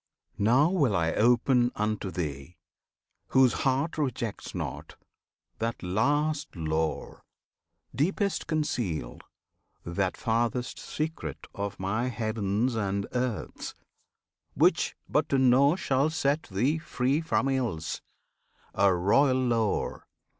Now will I open unto thee whose heart Rejects not that last lore, deepest concealed, That farthest secret of My Heavens and Earths, Which but to know shall set thee free from ills, A royal lore!